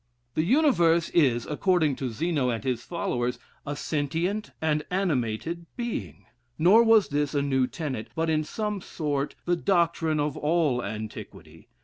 The universe is, according to Zeno and his followers, "a sentient and animated being." Nor was this a new tenet, but, in some sort, the doctrine of all antiquity.